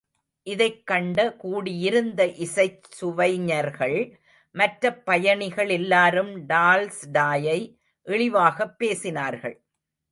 இதைக் கண்ட கூடியிருந்த இசைச் சுவைஞர்கள், மற்றப் பயணிகள் எல்லாரும் டால்ஸ்டாயை இழிவாகப் பேசினார்கள்.